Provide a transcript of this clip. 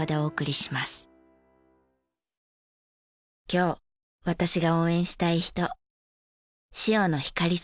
今日私が応援したい人。